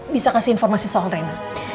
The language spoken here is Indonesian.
bisa kasih informasi soal rena